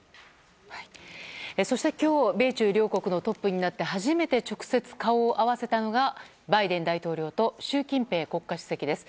そして、今日米中両国のトップになって初めて直接顔を合わせたのがバイデン大統領と習近平国家主席です。